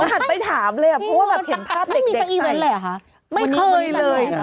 หันไปถามเลยเพราะว่าเห็นภาพเด็กใส